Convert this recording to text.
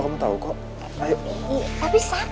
kemana ini lah